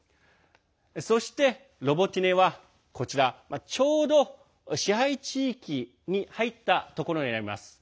そして、ロボティネはこちらちょうど支配地域に入ったところにあります。